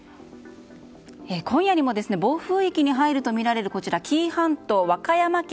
今夜にも暴風域に入るとみられる紀伊半島和歌山県